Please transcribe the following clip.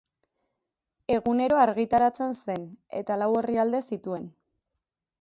Egunero argitaratzen zen eta lau orrialde zituen.